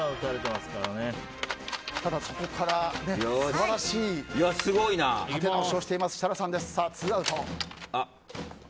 ただそこから、素晴らしい立て直しをしている設楽さんです。